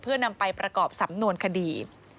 เพื่อนำไปประกอบสำนวนคดี